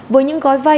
với những gói vai